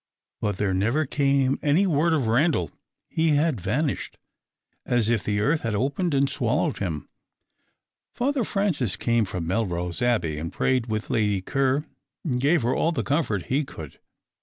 But there never came any word of Randal. He had vanished as if the earth had opened and swallowed him. Father Francis came from Melrose Abbey, and prayed with Lady Ker, and gave her all the comfort he could.